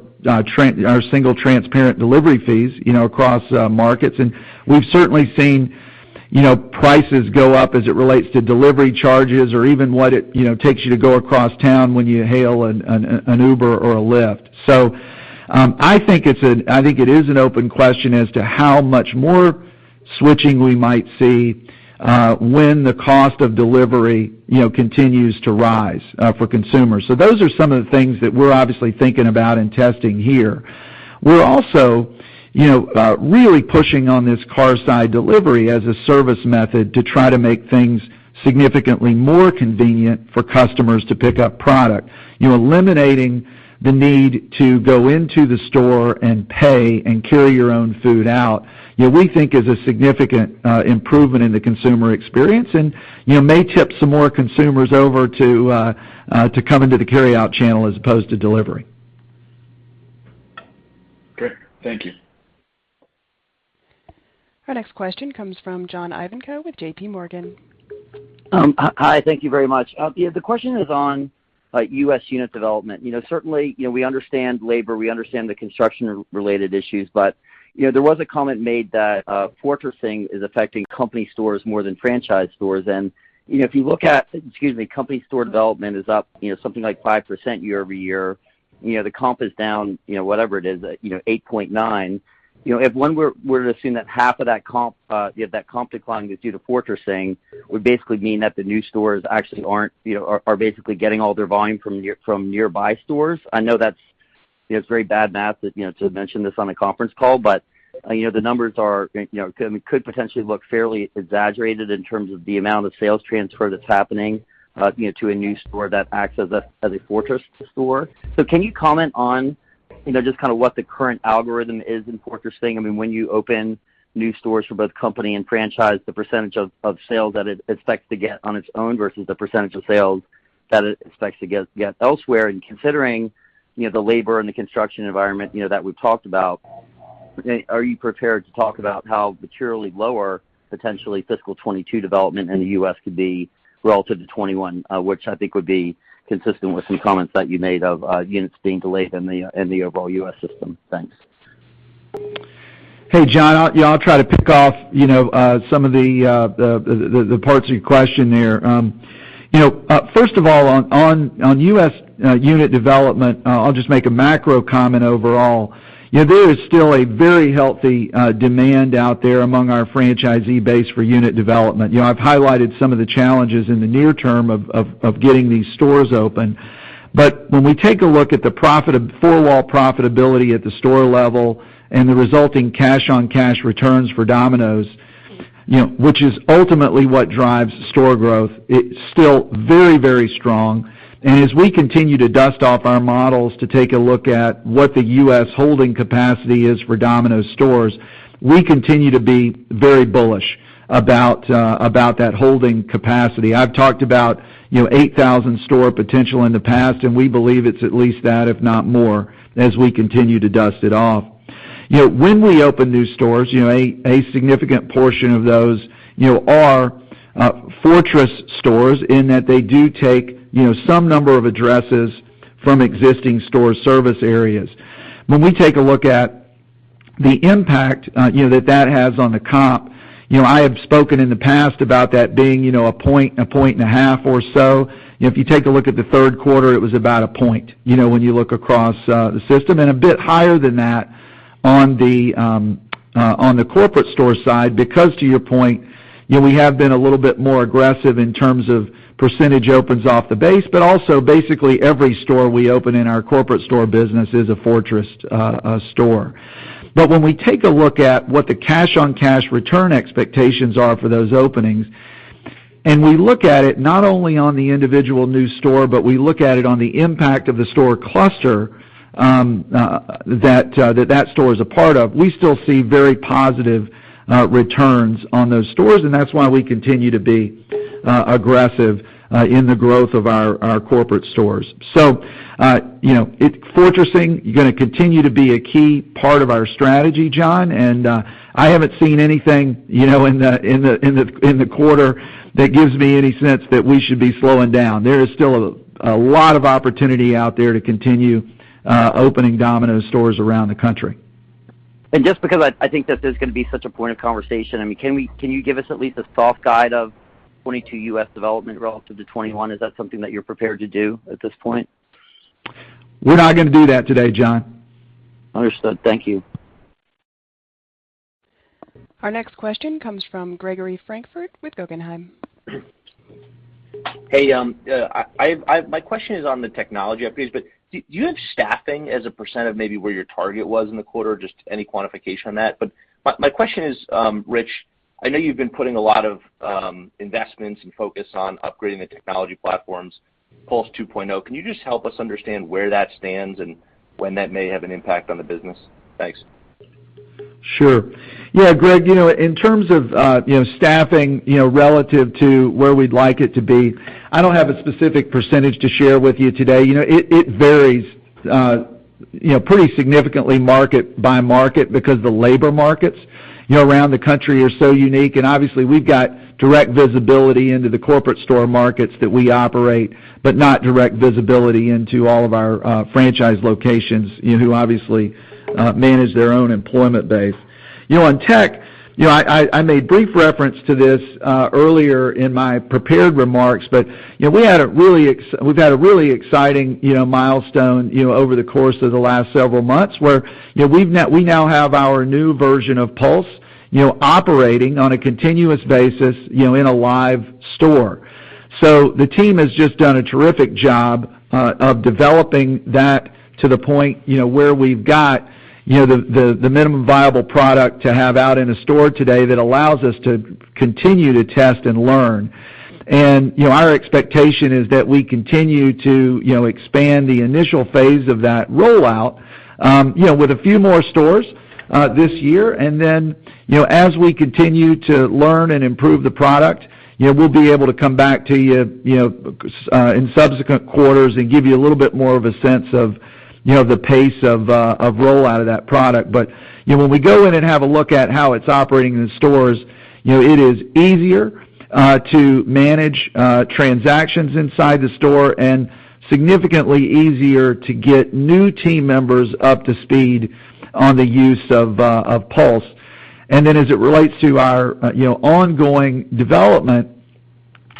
S3: single transparent delivery fees across markets, and we've certainly seen prices go up as it relates to delivery charges or even what it takes you to go across town when you hail an Uber or a Lyft. I think it is an open question as to how much more switching we might see when the cost of delivery continues to rise for consumers. Those are some of the things that we're obviously thinking about and testing here. We're also really pushing on this Carside Delivery as a service method to try to make things significantly more convenient for customers to pick up product. Eliminating the need to go into the store and pay and carry your own food out, we think is a significant improvement in the consumer experience and may tip some more consumers over to come into the carryout channel as opposed to delivery.
S10: Great. Thank you.
S1: Our next question comes from John Ivankoe with JPMorgan.
S11: Hi, thank you very much. The question is on U.S. unit development. Certainly, we understand labor, we understand the construction-related issues. There was a comment made that fortressing is affecting company stores more than franchise stores. If you look at, excuse me, company store development is up something like 5% year-over-year. The comp is down, whatever it is, 8.9. If one were to assume that half of that comp decline is due to fortressing, would basically mean that the new stores are basically getting all their volume from nearby stores. I know that's very bad math to mention this on a conference call. The numbers could potentially look fairly exaggerated in terms of the amount of sales transfer that's happening to a new store that acts as a fortress store. Can you comment on just kind of what the current algorithm is in fortressing? I mean, when you open new stores for both company and franchise, the percentage of sales that it expects to get on its own versus the percentage of sales that it expects to get elsewhere. Considering the labor and the construction environment that we've talked about, are you prepared to talk about how materially lower potentially fiscal 2022 development in the U.S. could be relative to 2021, which I think would be consistent with some comments that you made of units being delayed in the overall U.S. system? Thanks.
S3: Hey, John. I'll try to pick off some of the parts of your question there. First of all, on U.S. unit development, I'll just make a macro comment overall. There is still a very healthy demand out there among our franchisee base for unit development. I've highlighted some of the challenges in the near term of getting these stores open. When we take a look at the 4-wall profitability at the store level and the resulting cash-on-cash returns for Domino's, which is ultimately what drives store growth, it's still very strong. As we continue to dust off our models to take a look at what the U.S. holding capacity is for Domino's stores, we continue to be very bullish about that holding capacity. I've talked about 8,000 store potential in the past, and we believe it's at least that, if not more, as we continue to dust it off. When we open new stores, a significant portion of those are fortress stores in that they do take some number of addresses from existing store service areas. When we take a look at the impact that that has on the comp, I have spoken in the past about that being a point, a point and a half or so. If you take a look at the third quarter, it was about a point, when you look across the system. A bit higher than that on the corporate store side. To your point, we have been a little bit more aggressive in terms of percentage opens off the base, but also basically every store we open in our corporate store business is a fortress store. When we take a look at what the cash-on-cash return expectations are for those openings, and we look at it not only on the individual new store, but we look at it on the impact of the store cluster that store is a part of, we still see very positive returns on those stores, and that's why we continue to be aggressive in the growth of our corporate stores. Fortressing is going to continue to be a key part of our strategy, John, and I haven't seen anything in the quarter that gives me any sense that we should be slowing down. There is still a lot of opportunity out there to continue opening Domino's stores around the country.
S11: Just because I think that this is going to be such a point of conversation, can you give us at least a soft guide of 2022 U.S. development relative to 2021? Is that something that you're prepared to do at this point?
S3: We're not going to do that today, John.
S11: Understood. Thank you.
S1: Our next question comes from Gregory Francfort with Guggenheim.
S12: Hey. My question is on the technology piece. Do you have staffing as a percentage of maybe where your target was in the quarter? Just any quantification on that. My question is, Ritch, I know you've been putting a lot of investments and focus on upgrading the technology platforms, Pulse 2.0. Can you just help us understand where that stands and when that may have an impact on the business? Thanks.
S3: Sure. Yeah, Greg, in terms of staffing relative to where we'd like it to be, I don't have a specific % to share with you today. It varies pretty significantly market by market because the labor markets around the country are so unique. Obviously, we've got direct visibility into the corporate store markets that we operate, but not direct visibility into all of our franchise locations, who obviously manage their own employment base. On tech, I made brief reference to this earlier in my prepared remarks, We've had a really exciting milestone over the course of the last several months, where we now have our new version of Pulse operating on a continuous basis in a live store. The team has just done a terrific job of developing that to the point where we've got the minimum viable product to have out in a store today that allows us to continue to test and learn. Our expectation is that we continue to expand the initial phase of that rollout with a few more stores this year. Then, as we continue to learn and improve the product, we'll be able to come back to you in subsequent quarters and give you a little bit more of a sense of the pace of rollout of that product. When we go in and have a look at how it's operating in stores, it is easier to manage transactions inside the store and significantly easier to get new team members up to speed on the use of Pulse. As it relates to our ongoing development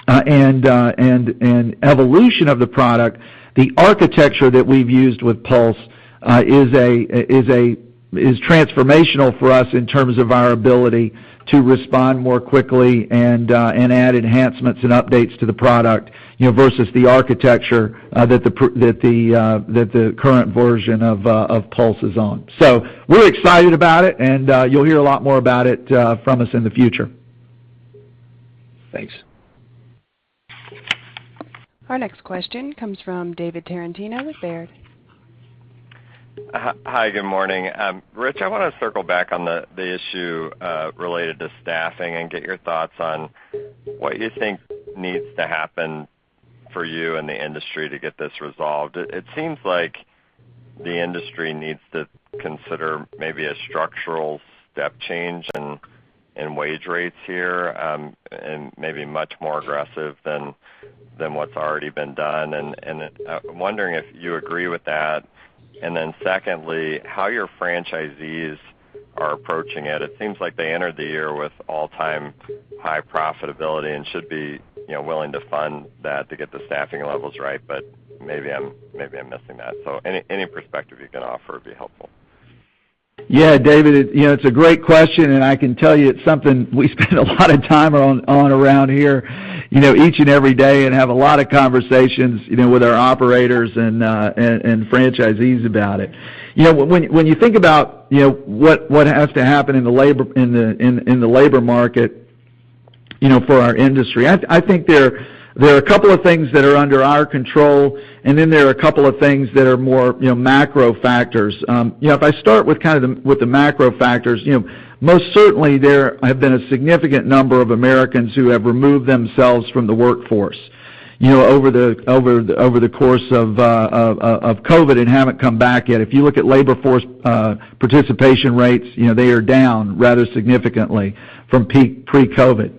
S3: and evolution of the product, the architecture that we've used with Pulse is transformational for us in terms of our ability to respond more quickly and add enhancements and updates to the product versus the architecture that the current version of Pulse is on. We're excited about it, and you'll hear a lot more about it from us in the future.
S12: Thanks.
S1: Our next question comes from David Tarantino with Baird.
S13: Hi, good morning. Ritch, I want to circle back on the issue related to staffing and get your thoughts on what you think needs to happen for you and the industry to get this resolved. It seems like the industry needs to consider maybe a structural step change in wage rates here, and maybe much more aggressive than what's already been done. I'm wondering if you agree with that. Secondly, how your franchisees are approaching it. It seems like they entered the year with all-time high profitability and should be willing to fund that to get the staffing levels right. Maybe I'm missing that. Any perspective you can offer would be helpful.
S3: Yeah. David, it's a great question, and I can tell you it's something we spend a lot of time on around here each and every day and have a lot of conversations with our operators and franchisees about it. When you think about what has to happen in the labor market for our industry, I think there are a couple of things that are under our control, and then there are a couple of things that are more macro factors. If I start with the macro factors, most certainly there have been a significant number of Americans who have removed themselves from the workforce over the course of COVID and haven't come back yet. If you look at labor force participation rates, they are down rather significantly from pre-COVID.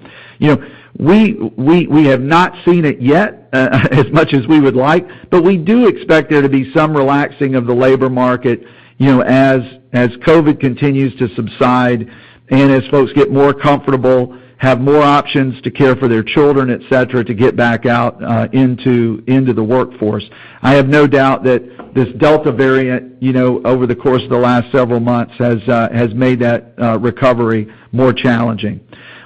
S3: We have not seen it yet as much as we would like, but we do expect there to be some relaxing of the labor market as COVID continues to subside and as folks get more comfortable, have more options to care for their children, et cetera, to get back out into the workforce. I have no doubt that this Delta variant, over the course of the last several months, has made that recovery more challenging.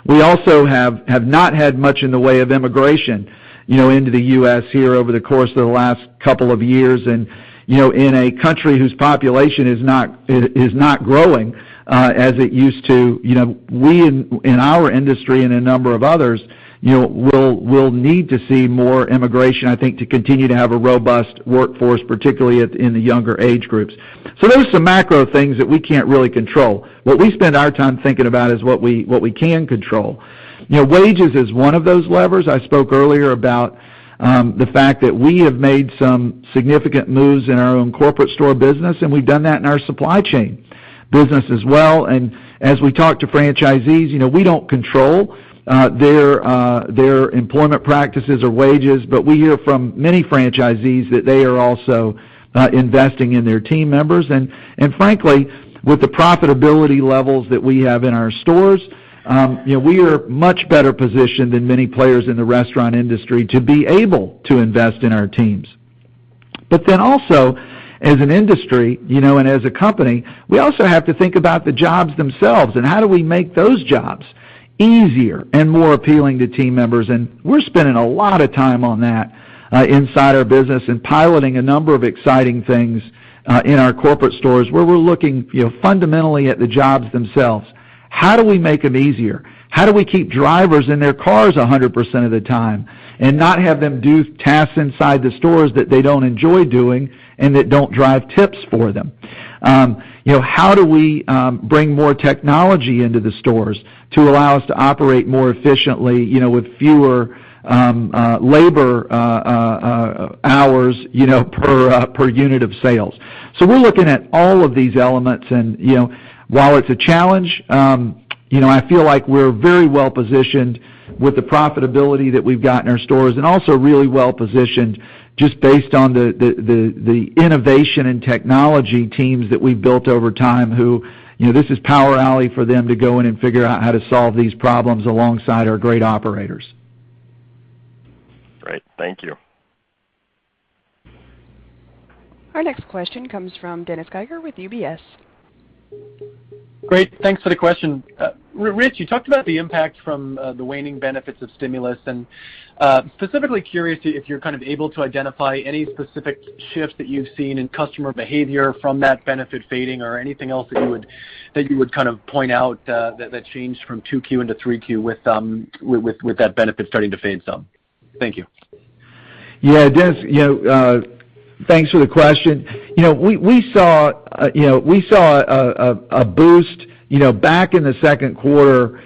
S3: We also have not had much in the way of immigration into the U.S. here over the course of the last couple of years. In a country whose population is not growing as it used to, we, in our industry and a number of others, will need to see more immigration, I think, to continue to have a robust workforce, particularly in the younger age groups. Those are some macro things that we can't really control. What we spend our time thinking about is what we can control. Wages is one of those levers. I spoke earlier about the fact that we have made some significant moves in our own corporate store business, and we've done that in our supply chain business as well. As we talk to franchisees, we don't control their employment practices or wages, but we hear from many franchisees that they are also investing in their team members. Frankly, with the profitability levels that we have in our stores, we are much better positioned than many players in the restaurant industry to be able to invest in our teams. Also, as an industry, and as a company, we also have to think about the jobs themselves, and how do we make those jobs easier and more appealing to team members. We're spending a lot of time on that inside our business and piloting a number of exciting things in our corporate stores where we're looking fundamentally at the jobs themselves. How do we make them easier? How do we keep drivers in their cars 100% of the time and not have them do tasks inside the stores that they don't enjoy doing and that don't drive tips for them? How do we bring more technology into the stores to allow us to operate more efficiently with fewer labor hours per unit of sales? We're looking at all of these elements, and while it's a challenge, I feel like we're very well-positioned with the profitability that we've got in our stores, and also really well-positioned just based on the innovation and technology teams that we've built over time, who this is power alley for them to go in and figure out how to solve these problems alongside our great operators.
S13: Great. Thank you.
S1: Our next question comes from Dennis Geiger with UBS.
S14: Great. Thanks for the question. Ritch, you talked about the impact from the waning benefits of stimulus, and specifically curious if you're kind of able to identify any specific shifts that you've seen in customer behavior from that benefit fading or anything else that you would kind of point out that changed from 2Q into 3Q with that benefit starting to fade some. Thank you.
S3: Yeah. Dennis, thanks for the question. We saw a boost back in the second quarter.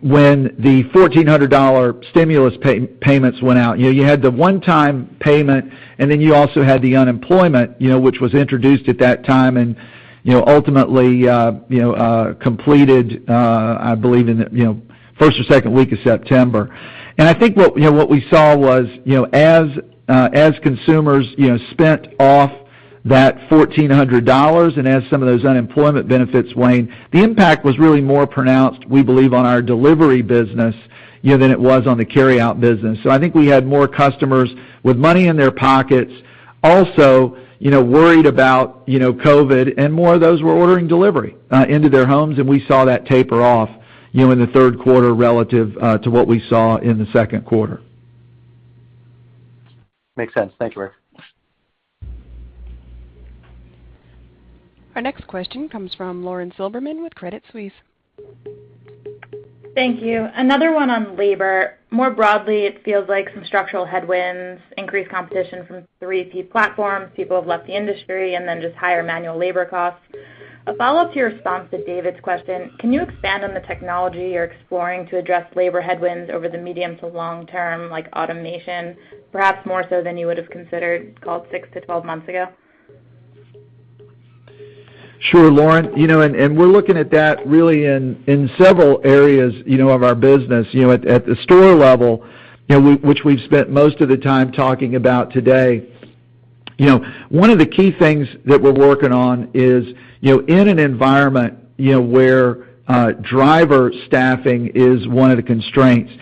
S3: When the $1,400 stimulus payments went out, you had the one-time payment, and then you also had the unemployment, which was introduced at that time and ultimately completed, I believe in the first or second week of September. I think what we saw was as consumers spent off that $1,400 and as some of those unemployment benefits waned, the impact was really more pronounced, we believe, on our delivery business, than it was on the carryout business. I think we had more customers with money in their pockets also worried about COVID, and more of those were ordering delivery into their homes, and we saw that taper off in the third quarter relative to what we saw in the second quarter.
S14: Makes sense. Thank you, Ritch.
S1: Our next question comes from Lauren Silberman with Credit Suisse.
S15: Thank you. Another one on labor. More broadly, it feels like some structural headwinds, increased competition from 3P platforms, people have left the industry, and then just higher manual labor costs. A follow-up to your response to David's question, can you expand on the technology you're exploring to address labor headwinds over the medium to long term, like automation, perhaps more so than you would've considered call it 6 to 12 months ago?
S3: Sure, Lauren. We're looking at that really in several areas of our business. At the store level, which we've spent most of the time talking about today, one of the key things that we're working on is in an environment where driver staffing is one of the constraints.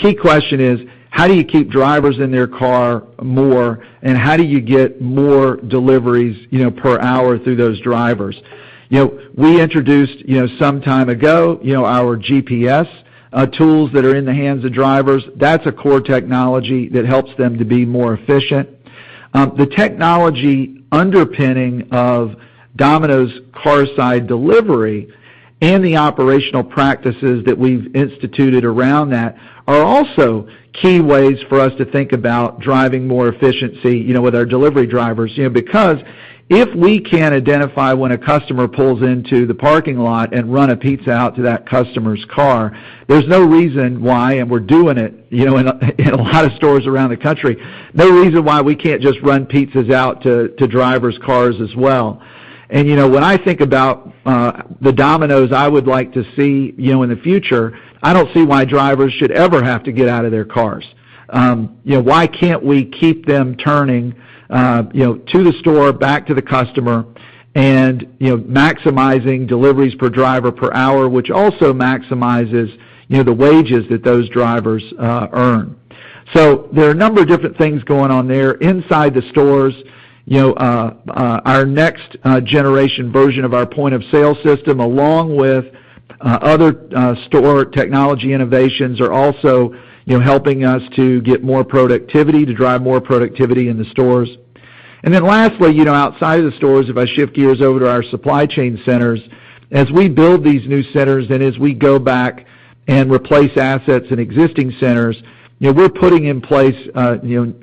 S3: Key question is how do you keep drivers in their car more, and how do you get more deliveries per hour through those drivers? We introduced some time ago our GPS tools that are in the hands of drivers. That's a core technology that helps them to be more efficient. The technology underpinning of Domino's Carside Delivery and the operational practices that we've instituted around that are also key ways for us to think about driving more efficiency with our delivery drivers. If we can't identify when a customer pulls into the parking lot and run a pizza out to that customer's car, there's no reason why. We're doing it in a lot of stores around the country. No reason why we can't just run pizzas out to drivers' cars as well. When I think about the Domino's I would like to see in the future, I don't see why drivers should ever have to get out of their cars. Why can't we keep them turning to the store, back to the customer, and maximizing deliveries per driver per hour, which also maximizes the wages that those drivers earn. There are a number of different things going on there inside the stores. Our next-generation version of our point-of-sale system, along with other store technology innovations, are also helping us to get more productivity, to drive more productivity in the stores. Lastly, outside of the stores, if I shift gears over to our supply chain centers, as we build these new centers and as we go back and replace assets in existing centers, we're putting in place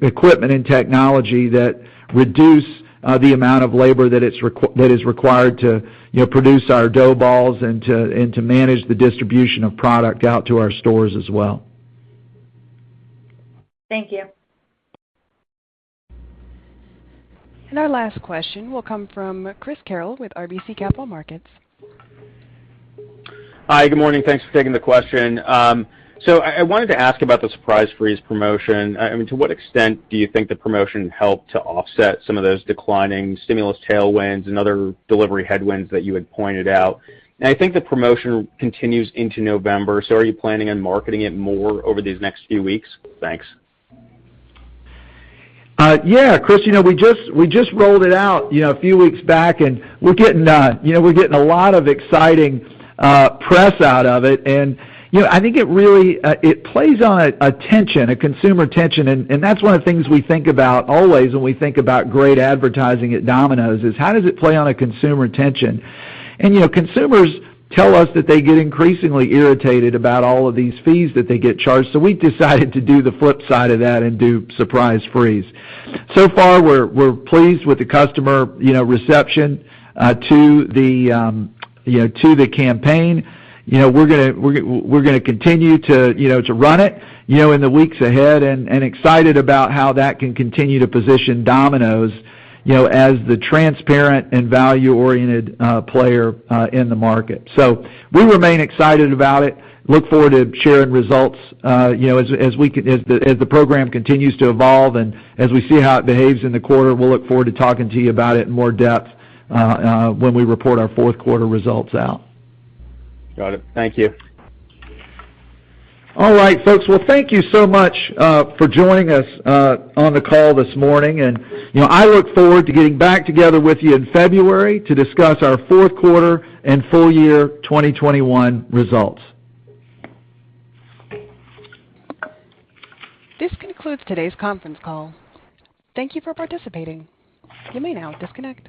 S3: equipment and technology that reduce the amount of labor that is required to produce our dough balls and to manage the distribution of product out to our stores as well.
S15: Thank you.
S1: Our last question will come from Chris Carril with RBC Capital Markets.
S16: Hi, good morning. Thanks for taking the question. I wanted to ask about the Surprise Frees promotion. To what extent do you think the promotion helped to offset some of those declining stimulus tailwinds and other delivery headwinds that you had pointed out? I think the promotion continues into November, so are you planning on marketing it more over these next few weeks? Thanks.
S3: Yeah, Chris, we just rolled it out a few weeks back, and we're getting a lot of exciting press out of it. I think it plays on a tension, a consumer tension. That's one of the things we think about always when we think about great advertising at Domino's, is how does it play on a consumer tension? Consumers tell us that they get increasingly irritated about all of these fees that they get charged. We decided to do the flip side of that and do Surprise Frees. So far, we're pleased with the customer reception to the campaign. We're going to continue to run it in the weeks ahead and excited about how that can continue to position Domino's as the transparent and value-oriented player in the market. We remain excited about it. Look forward to sharing results as the program continues to evolve and as we see how it behaves in the quarter. We'll look forward to talking to you about it in more depth when we report our fourth quarter results out.
S16: Got it. Thank you.
S3: All right, folks. Well, thank you so much for joining us on the call this morning, and I look forward to getting back together with you in February to discuss our fourth quarter and full year 2021 results.
S1: This concludes today's conference call. Thank you for participating. You may now disconnect.